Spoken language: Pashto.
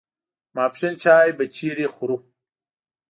ماپښین چای به چیرې خورو.